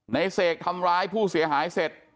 เสกทำร้ายผู้เสียหายเสร็จ